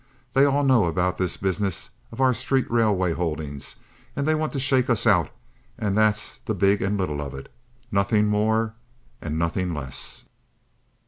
They all know about this business of our street railway holdings and they want to shake us out and that's the big and little of it—nothing more and nothing less.